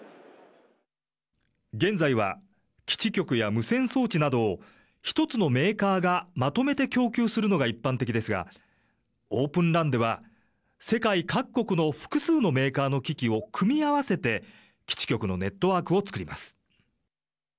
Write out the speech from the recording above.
現在は基地局や無線装置など１つのメーカーがまとめて供給するのが一般的ですがオープンＲＡＮでは世界各国の複数のメーカーの機器を組み合わせて基地局のネットワークを作ります。